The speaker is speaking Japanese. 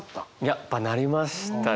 やっぱなりましたね。